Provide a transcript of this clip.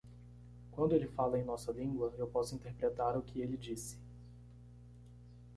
Quando ele fala em nossa língua, eu posso interpretar o que ele disse.